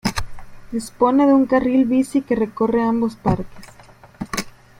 Dispone de un carril bici que recorre ambos parques.